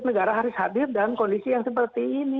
negara harus hadir dalam kondisi yang seperti ini